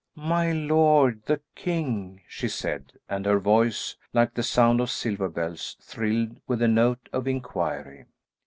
"My lord, the king;" she said, and her voice, like the sound of silver bells, thrilled with a note of inquiry.